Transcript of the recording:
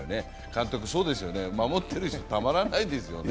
監督、そうですよね、守ってる方はたまらないですよね。